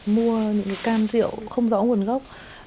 mua những can rượu không rõ nguồn gốc